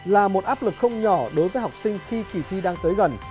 là một áp lực không nhỏ đối với học sinh khi kỳ thi đang tới gần